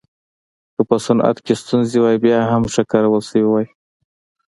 که په صنعت کې ستونزې وای بیا هم ښه کارول شوې وای.